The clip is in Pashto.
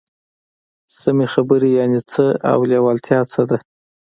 سمې خبرې يانې څه او لېوالتيا څه ده؟